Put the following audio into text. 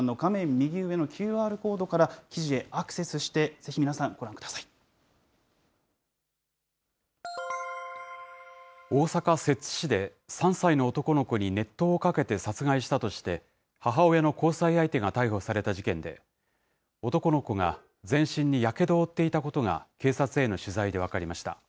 右上のＱＲコードから記事へアクセスして、ぜひ皆大阪・摂津市で、３歳の男の子に熱湯をかけて殺害したとして、母親の交際相手が逮捕された事件で、男の子が全身にやけどを負っていたことが警察への取材で分かりました。